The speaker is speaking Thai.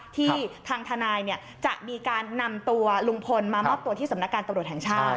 ที่ทางทนายจะมีการนำตัวลุงพลมามอบตัวที่สำนักการตำรวจแห่งชาติ